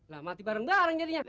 lah mati bareng bareng jadinya